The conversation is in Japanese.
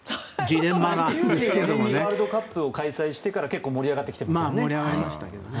自国でワールドカップを開催してから結構盛り上がってきてますよね。